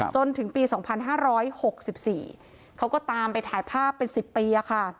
จนถึงปี๒๕๖๔เขาก็ตามไปถ่ายภาพเป็น๑๐ปีค่ะ